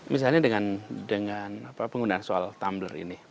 misalnya dengan penggunaan soal tumbler ini